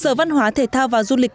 sở văn hóa thể thao và du lịch